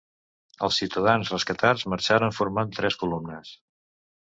Els ciutadans rescatats marxaren formant tres columnes.